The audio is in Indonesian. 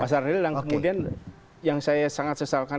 masalah real dan kemudian yang saya sangat sesalkan